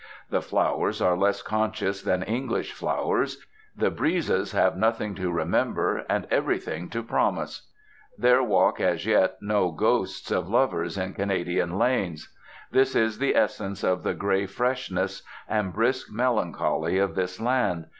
The flowers are less conscious than English flowers, the breezes have nothing to remember, and everything to promise. There walk, as yet, no ghosts of lovers in Canadian lanes. This is the essence of the grey freshness and brisk melancholy of this land.